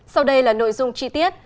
sau đây là nội dung chi tiết